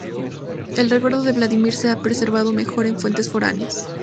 El recuerdo de Vladímir se ha preservado mejor en fuentes foráneas.